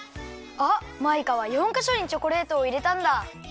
あっマイカは４かしょにチョコレートをいれたんだ。